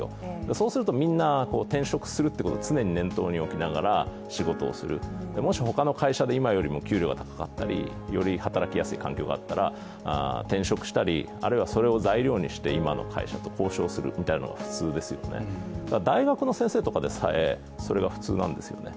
そうすると、みんな転職するということを常に念頭に置きながら仕事をする、もし他の会社で今より給料がよかったりより働きやすい環境があったら転職したりそれを材料にして今の会社と交渉するみたいなのが普通ですよね大学の先生とかでさえ、それが普通なんですよね。